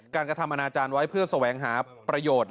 กระทำอนาจารย์ไว้เพื่อแสวงหาประโยชน์